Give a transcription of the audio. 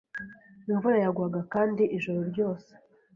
Imvura yagwaga kandi ijoro ryose.